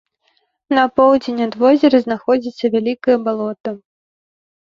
На поўдзень ад возера знаходзіцца вялікае балота.